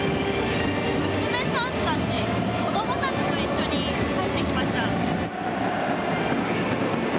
娘さんたち、子どもたちと一緒に入ってきました。